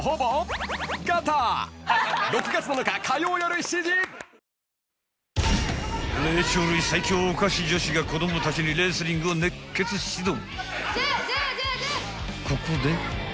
［霊長類最強おかし女子が子供たちにレスリングを熱血指導］